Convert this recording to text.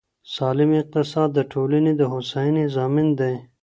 سالم اقتصاد د ټولني د هوساینې ضامن دی.